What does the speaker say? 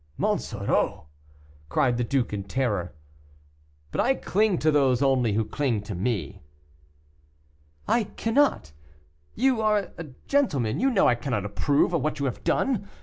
"Monsoreau!" cried the duke, in terror. "But I cling to those only who cling to me." "I cannot you are a gentleman, you know I cannot approve of what you have done.